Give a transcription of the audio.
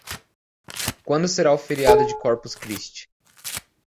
Quando será o feriado de Corpus Christi?